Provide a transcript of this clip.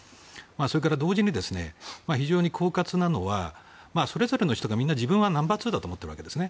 それから同時に非常に狡猾なのはそれぞれの人が自分はナンバー２だと思ってるわけです。